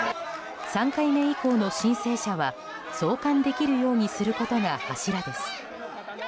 ３回目以降の申請者は送還できるようにすることが柱です。